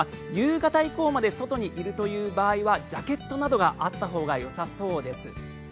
夕方以降まで外にいるという場合はジャケットなどがあったほうがよさそうです。